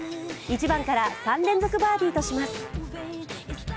１番から３連続バーディーとします。